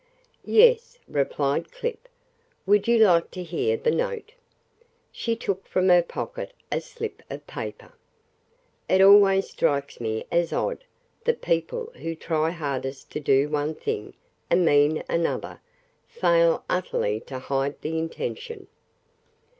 "Yes," replied Clip. "Would you like to hear the note?" She took from her pocket a slip of paper. "It always strikes me as odd that people who try hardest to do one thing, and mean another, fail utterly to hide the intention.